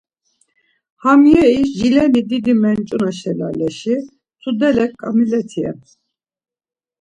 Hamyeri, jileni didi Mençuna şelaleşi tudele Kamileti ren.